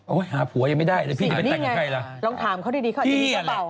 โอ๊ยหาผัวยังไม่ได้พี่จะไปแต่งกันไงล่ะอเรนนี่นี่ไงลองถามเขาดีค่ะ